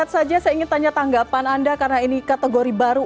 saya ingin tanya tanggapan anda karena ini kategori baru